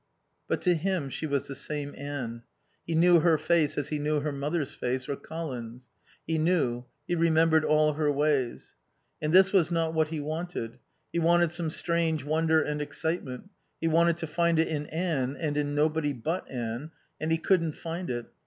But to him she was the same Anne. He knew her face as he knew his mother's face or Colin's. He knew, he remembered all her ways. And this was not what he wanted. He wanted some strange wonder and excitement; he wanted to find it in Anne and in nobody but Anne, and he couldn't find it.